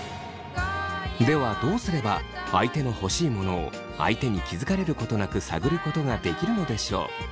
ではどうすれば相手の欲しい物を相手に気づかれることなく探ることができるのでしょう？